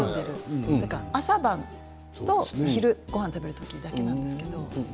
朝晩と昼ごはん食べる時だけなんですけど。